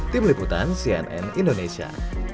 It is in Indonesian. tim liputan cnn indonesia